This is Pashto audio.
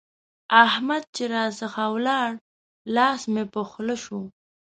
احمد چې راڅخه ولاړ؛ لاس مې په خوله شو.